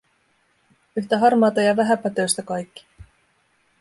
Yhtä harmaata ja vähäpätöistä kaikki.